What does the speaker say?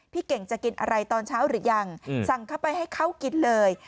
เก่งจะกินอะไรตอนเช้าหรือยังสั่งเข้าไปให้เขากินเลย